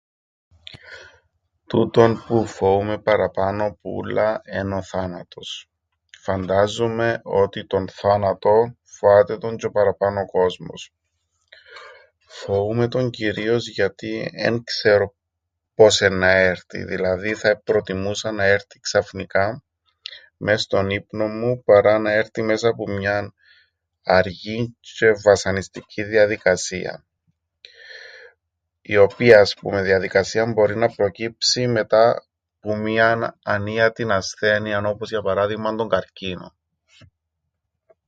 Τούτον που φοούμαι παραπάνω που ούλλα εν' ο θάνατος. Φαντάζουμαι ότι τον θάνατον φοάται τον τζ̆' ο παραπάνω κόσμος. Φοούμαι τον κυρίως γιατί εν ξέρω πώς εννά έρτει, δηλαδή θα επροτιμούσα να έρτει ξαφνικά μες στον ύπνον μου, παρά να έρτει μέσα που μιαν αργήν τζ̆αι βασανιστικήν διαδικασίαν. Η οποία, ας πούμεν, διαδικασία μπορεί να προκύψει μετά που μίαν ανίατην ασθένειαν, όπως για παράδειγμαν τον καρκίνον.